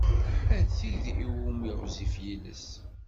A tid iwumi ɣezzif yiles!